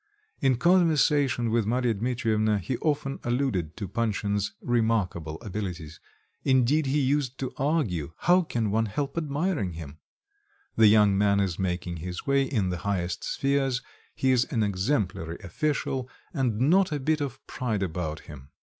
In conversation with Marya Dmitrievna, he often alluded to Panshin's remarkable abilities. Indeed, he used to argue, how can one help admiring him? The young man is making his way in the highest spheres, he is an exemplary official, and not a bit of pride about him.